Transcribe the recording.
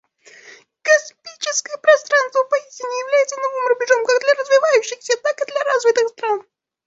Космическое пространство поистине является новым рубежом как для развивающихся, так и для развитых стран.